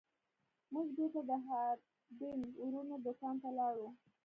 موږ بیرته د هارډینګ ورونو دکان ته لاړو.